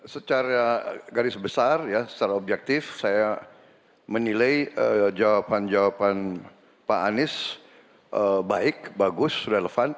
secara garis besar ya secara objektif saya menilai jawaban jawaban pak anies baik bagus relevan